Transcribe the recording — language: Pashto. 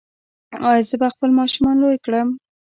ایا زه به خپل ماشومان لوی کړم؟